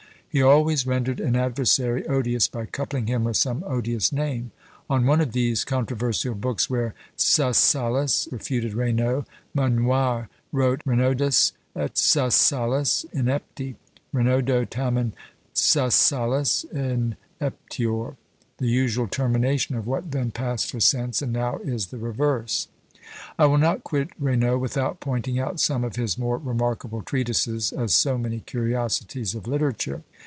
He always rendered an adversary odious by coupling him with some odious name. On one of these controversial books where Casalas refuted Raynaud, Monnoye wrote, "Raynaudus et Casalas inepti; Raynaudo tamen Casalas ineptior." The usual termination of what then passed for sense, and now is the reverse! I will not quit Raynaud without pointing out some of his more remarkable treatises, as so many curiosities of literature.